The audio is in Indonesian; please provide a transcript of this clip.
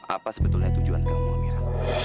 apa sebetulnya tujuan kamu mira